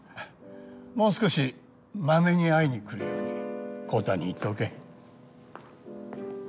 もう少しマメに会いに来るように昂太に言っておけ。